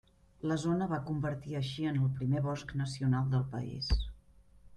La zona va convertir així en el primer bosc nacional del país.